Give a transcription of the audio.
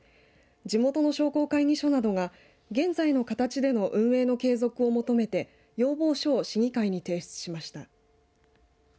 地元の商工会議所などが現在の形での運営の継続を求めて要望書を市議会に提出しました。